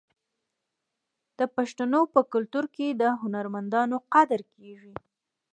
د پښتنو په کلتور کې د هنرمندانو قدر کیږي.